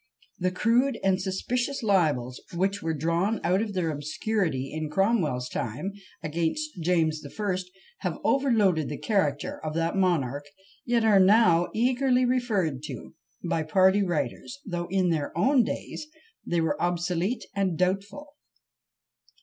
The crude and suspicious libels which were drawn out of their obscurity in Cromwell's time against James the First have overloaded the character of that monarch, yet are now eagerly referred to by party writers, though in their own days they were obsolete and doubtful.